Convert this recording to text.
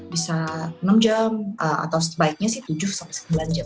bisa enam jam atau sebaiknya sih tujuh sampai sembilan jam